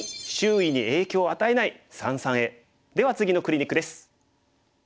では次のクリニックです。